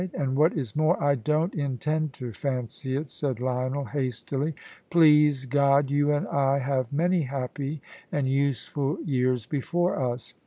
And what is more, I don't intend to fancy it," said Lionel, hastily. "Please God, you and I have many happy and useful years before us.